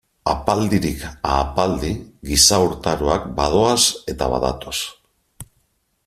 Ahapaldirik ahapaldi giza urtaroak badoaz eta badatoz.